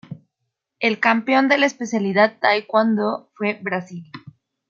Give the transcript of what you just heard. El campeón de la especialidad Taekwondo fue Brasil.